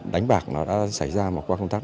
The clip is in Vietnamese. đánh bạc đã xảy ra qua công tác